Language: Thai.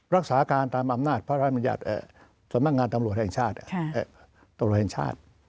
รักษาการตามอำนาจสำหรับงานตำรวจแห่งชาติ